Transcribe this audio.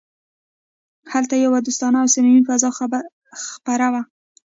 هلته یوه دوستانه او صمیمي فضا خپره وه